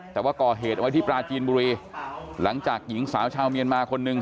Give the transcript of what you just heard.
แต่ว่าก่อเหตุไว้ที่ปลาจีนบุรีหลังจากหญิงสาวชาวเมียนมาคนหนึ่ง